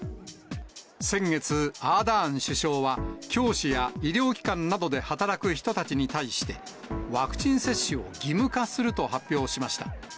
先月、アーダーン首相は、教師や医療機関などで働く人たちに対して、ワクチン接種を義務化すると発表しました。